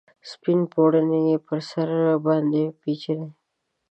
سپین پوړنې یې پر سر باندې پیچلي